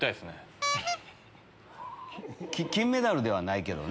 金メダルではないけどね。